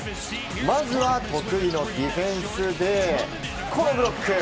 まずは得意のディフェンスでこのブロック！